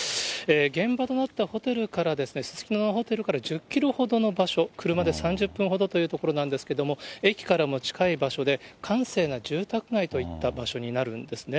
現場となったホテルから、すすきののホテルから１０キロほどの場所、車で３０分ほどという所なんですけれども、駅からも近い場所で、閑静な住宅街といった場所になるんですね。